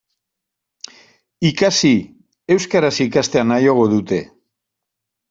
Ikasi, euskaraz ikastea nahiago dute.